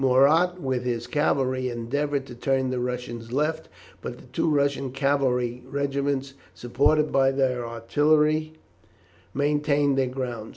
Murat with his cavalry endeavoured to turn the Russian left, but the two Russian cavalry regiments, supported by their artillery, maintained their ground.